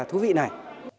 thú vị này